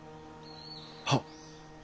はっ。